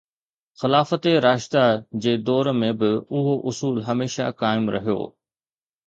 خلافت راشده جي دور ۾ به اهو اصول هميشه قائم رهيو